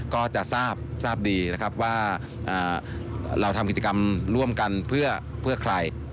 ก็จะทราบดีนะครับว่าเราทำกิจกรรมร่วมกันเพื่อใคร